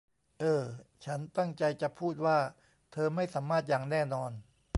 เออ ฉันตั้งใจจะพูดว่าเธอไม่สามารถอย่างแน่นอน